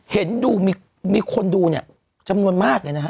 เห็นดูมีคนดูเนี่ยจำนวนมากเลยนะฮะ